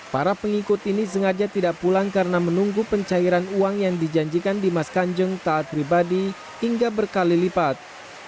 para pengikut ini sengaja tidak pulang karena menunggu pencairan uang yang dijanjikan dimas kanjeng taat pribadi hingga berkali lipat